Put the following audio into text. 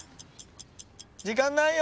・時間ないよ。